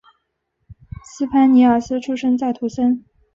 斯潘尼尔斯出生在图森。